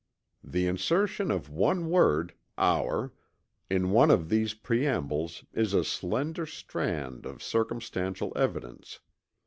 The insertion of one word (our) in one of these preambles is a slender strand of circumstantial evidence.